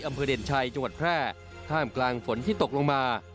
อำเภอเด่นชัยจังหวัดแพร่ท่ามกลางฝนที่ตกลงมา